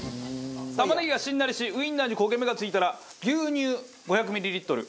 玉ねぎがしんなりしウインナーに焦げ目がついたら牛乳５００ミリリットル。